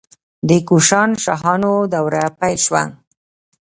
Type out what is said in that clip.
د کوشانشاهانو دوره پیل شوه